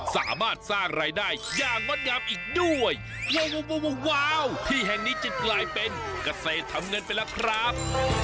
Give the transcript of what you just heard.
สามารถสร้างรายได้อย่างงดงามอีกด้วยวาวที่แห่งนี้จะกลายเป็นเกษตรทำเงินไปแล้วครับ